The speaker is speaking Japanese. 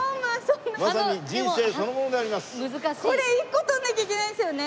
これ１個取らなきゃいけないんですよね。